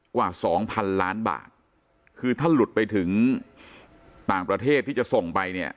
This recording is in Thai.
กว่าสองพันล้านบาทคือถ้าหลุดไปถึงต่างประเทศที่จะส่งไปเนี่ย